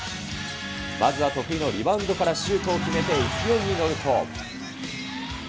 まずは得意のリバウンドからシュートを決めて勢いに乗ると。